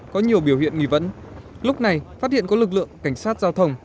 có nhiều biểu hiện nghi vấn lúc này phát hiện có lực lượng cảnh sát giao thông